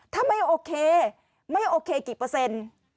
ถ้าไม่โอเคไม่โอเคกี่เปอร์เซ็นต์